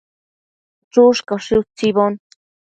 Chushcaushi utsibo